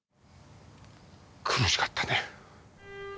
苦しかったね。